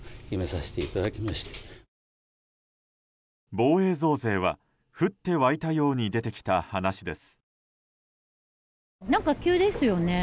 防衛増税は降って湧いたように出てきた話です。